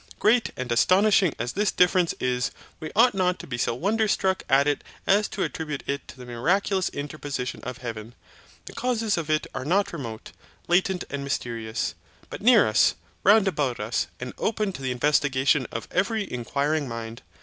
Great and astonishing as this difference is, we ought not to be so wonder struck at it as to attribute it to the miraculous interposition of heaven. The causes of it are not remote, latent and mysterious; but near us, round about us, and open to the investigation of every inquiring mind.